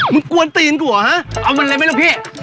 มึงกวนตีนกูเหรอฮะเอามันอะไรไหมแล้วพี่